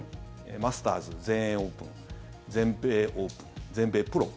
マスターズ、全英オープン全米オープン、全米プロ。